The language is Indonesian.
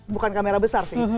bukan kamera besar sih